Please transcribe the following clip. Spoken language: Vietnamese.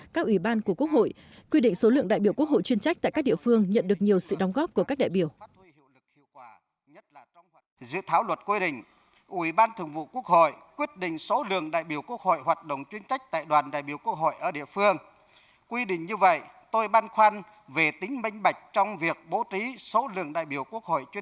các ủy ban của quốc hội quy định số lượng đại biểu quốc hội chuyên trách tại các địa phương nhận được nhiều sự đóng góp của các đại biểu